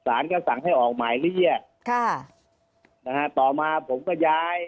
สารก็สั่งให้ออกหมายเรียกค่ะนะฮะต่อมาผมก็ย้าย